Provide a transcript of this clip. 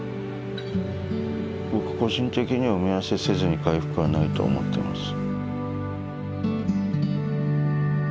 僕個人的には埋め合わせせずに回復はないと思ってます。